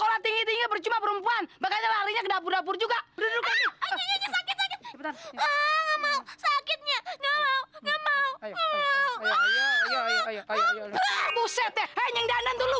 tadi kita cuma cari air buat minum